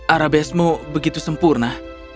arabesmu begitu sempurna